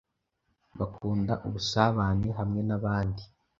Bakunda ubusabane hamwe nabandi